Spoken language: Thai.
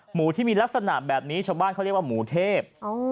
หมูที่มีลักษณะแบบนี้ชาวบ้านเขาเรียกว่าหมูเทพ